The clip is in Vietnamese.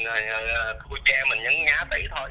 mình nhấn ngá tẩy thôi